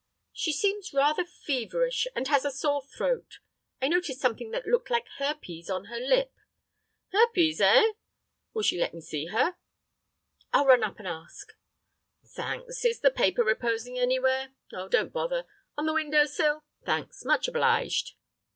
"She seems rather feverish and has a sore throat. I noticed something that looked like herpes on her lip." "Herpes, eh? Will she let me see her?" "I'll run up and ask." "Thanks. Is the paper reposing anywhere? Oh, don't bother. On the window sill? Thanks, much obliged."